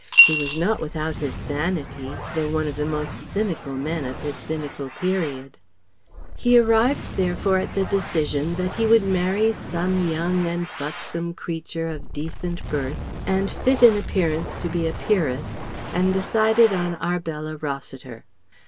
He was not without his vanities, though one of the most cynical men of his cynical period. He arrived therefore at the decision that he would marry some young and buxom creature of decent birth and fit in appearance to be a peeress, and decided on Arbella Rossiter.